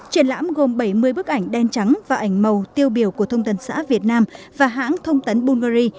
triển lãm gồm bảy mươi bức ảnh đen trắng và ảnh màu tiêu biểu của thông tấn xã việt nam và hãng thông tấn bungary